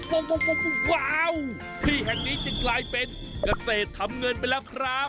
ว้าวที่แห่งนี้จึงกลายเป็นเกษตรทำเงินไปแล้วครับ